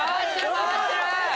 回してる！